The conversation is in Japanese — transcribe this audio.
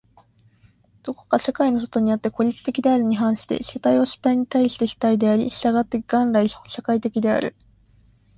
どこか世界の外にあって孤立的であるに反して、主体は主体に対して主体であり、従って元来社会的である。